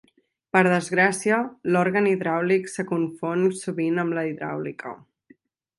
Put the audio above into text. Per desgràcia, l'òrgan hidràulic se confon sovint amb la hidràulica.